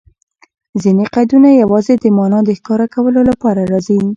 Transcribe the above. ځیني قیدونه یوازي د مانا د ښکاره کولو له پاره راځي.